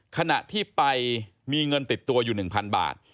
ขณะที่ไปมีเงินติดตัวอยู่๑๐๐บาท